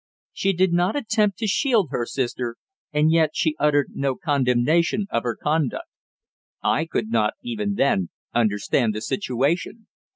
She did not attempt to shield her sister, and yet she uttered no condemnation of her conduct. I could not, even then, understand the situation.